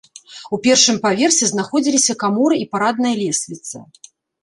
У першым паверсе знаходзіліся каморы і парадная лесвіца.